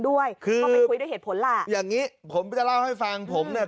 ด้วยคือก็ไปคุยด้วยเหตุผลล่ะอย่างงี้ผมจะเล่าให้ฟังผมเนี่ย